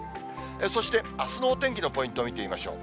そして、あすのお天気のポイントを見てみましょう。